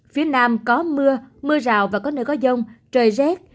phía nam có mưa mưa rào và có nơi có rông trời rét